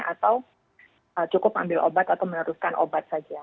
atau cukup ambil obat atau meneruskan obat saja